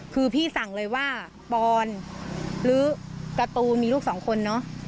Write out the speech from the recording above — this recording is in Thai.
คือพี่สั่งเลยว่าปอนหรือการ์ตูนมีลูกสองคนเนอะ